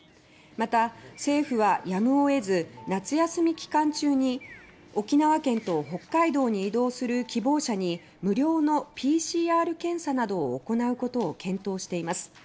また、政府はやむを得ず夏休み期間中に沖縄県と北海道に移動する希望者に無料のＰＣＲ検査などを行うことを検討しています。